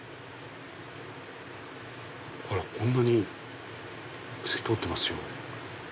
ほらこんなに透き通ってますよ。